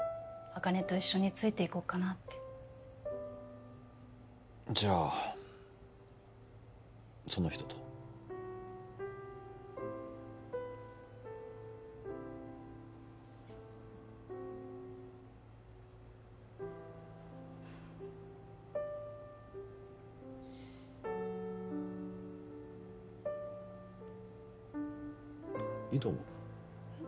茜と一緒についていこうかなってじゃあその人と？いいと思うえっ？